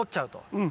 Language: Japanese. うん。